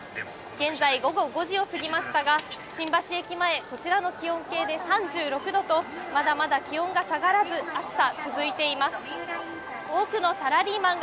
現在、午後５時を過ぎましたが、新橋駅前、こちらの気温計で３６度と、まだまだ気温が下がらず、暑さ続いています。